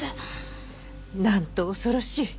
なんと恐ろしい。